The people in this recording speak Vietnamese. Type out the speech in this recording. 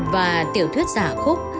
và tiểu thuyết giả khúc